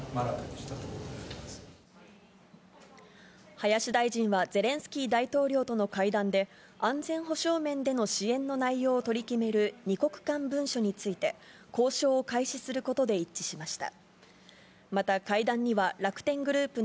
林大臣はゼレンスキー大統領との会談で安全保障面での支援の内容を取り決める２国間文書について、交渉を開始することで一致しました。